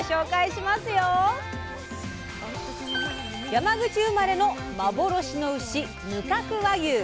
山口生まれの幻の牛無角和牛！